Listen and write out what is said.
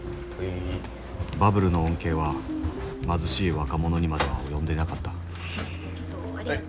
バブルの恩恵は貧しい若者にまでは及んでいなかったありがとう。